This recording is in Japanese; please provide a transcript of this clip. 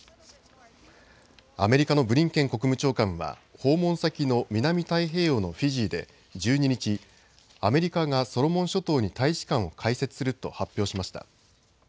アメリカのブリンケン国務長官は、訪問先の南太平洋のフィジーで１２日、アメリカがソロモン諸島に大使館を開設すると発表しました。